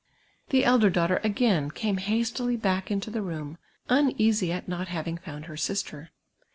The elder daughter again came hastily back into the room, uneasy at not having found her sister.